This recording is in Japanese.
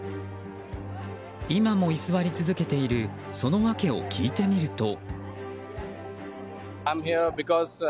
今も居座り続けているその訳を聞いてみると。